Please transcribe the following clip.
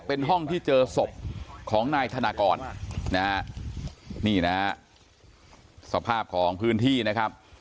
เป็นห้องที่เจอศพของนายธนากรนะฮะนี่นะฮะสภาพของพื้นที่นะครับ